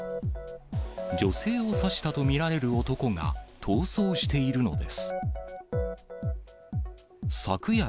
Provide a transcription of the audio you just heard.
女性を刺したと見られる男が逃走しているのです。